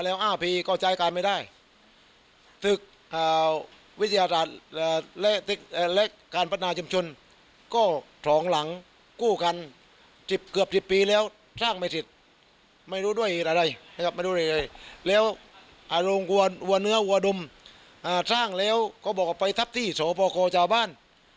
แล้วอารมณ์หัวเนื้อหัวดุมสร้างแล้วก็บอกไปทับที่โสโปรโครเจ้าบ้าน